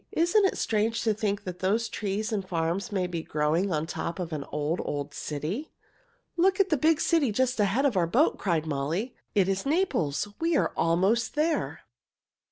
"Isn't it strange to think that those trees and farms may be growing on top of an old, old city?" "Look at the big city just ahead of our boat!" cried Molly. "It is Naples. We are almost there!"